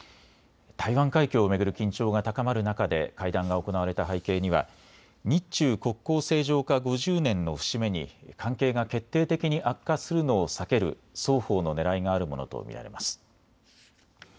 台湾海峡を巡る緊張が高まる中で会談が行われた背景には日中国交正常化５０年の節目に関係が決定的に悪化するのを避ける双方のねらいがあるものと見られます。